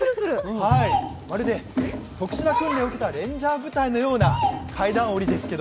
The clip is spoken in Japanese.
まるで特殊な訓練を受けたレンジャー部隊の階段下りですが。